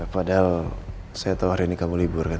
padahal saya tahu hari ini kamu libur kan